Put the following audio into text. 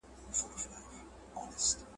د جنايتکارانو لپاره سخت سزاګانې سته.